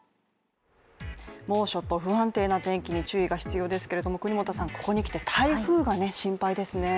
猛暑と不安定な天気に注意が必要ですけど、ここにきて、台風が心配ですね。